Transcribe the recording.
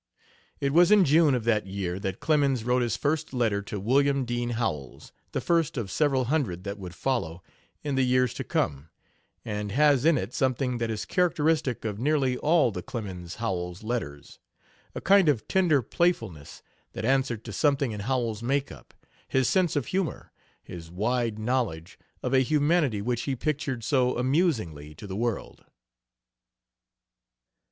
It was in June of that year that Clemens wrote his first letter to William Dean Howells the first of several hundred that would follow in the years to come, and has in it something that is characteristic of nearly all the Clemens Howells letters a kind of tender playfulness that answered to something in Howells's make up, his sense of humor, his wide knowledge of a humanity which he pictured so amusingly to the world.